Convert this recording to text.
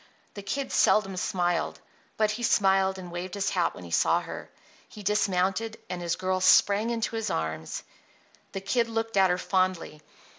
The Kid seldom smiled; but he smiled and waved his hat when he saw her. He dismounted, and his girl sprang into his arms. The Kid looked at her fondly.